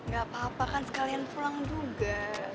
gapapa kan sekalian pulang juga